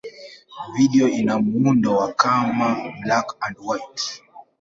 Video ina muundo wa kama black-and-white.